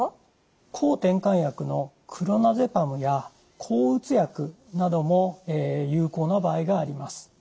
抗てんかん薬のクロナゼパムや抗うつ薬なども有効な場合があります。